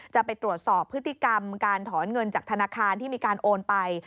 จะไปตรวจสอบพฤติกรรมการถอนเงินจากธนาคารที่มีการโอนไป